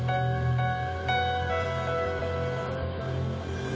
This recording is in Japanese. ああ。